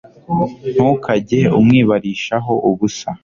ntukajye umwibarisha ho ubusa